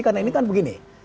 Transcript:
karena ini kan begini